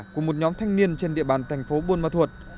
của một nhóm thanh niên trên địa bàn thành phố buôn ma thuột